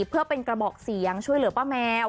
เพื่อเป็นกระบอกเสียงช่วยเหลือป้าแมว